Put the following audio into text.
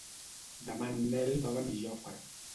Demà en Nel va a Benijòfar.